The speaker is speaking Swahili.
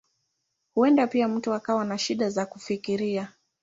Huenda pia mtu akawa na shida za kufikiria.